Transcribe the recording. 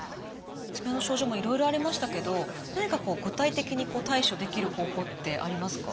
爪の症状もいろいろありましたけど何かこう具体的に対処できる方法ってありますか？